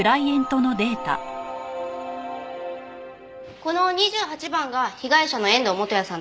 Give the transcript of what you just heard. この２８番が被害者の遠藤元也さんです。